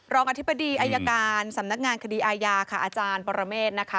อธิบดีอายการสำนักงานคดีอาญาค่ะอาจารย์ปรเมฆนะคะ